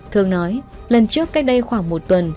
thương nói lần trước cách đây khoảng một tuần